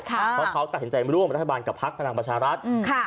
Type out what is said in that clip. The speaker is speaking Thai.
เพราะเขาตัดสินใจร่วมรัฐบาลกับพักพลังประชารัฐ